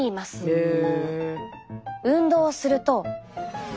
へえ。